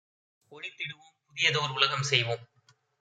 ஒழித்திடுவோம்; புதியதோர் உலகம் செய்வோம்!